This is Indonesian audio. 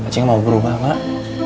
ceng mau berubah mak